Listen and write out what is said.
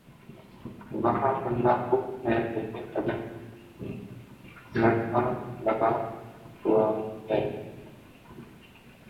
وہاں کمرہ بک ہے لیکن اگر دھڑکا لگا ہوا ہے۔